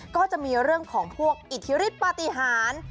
ก็จะมีเรื่องของพวกอิทธิฤทธิปฏิหาร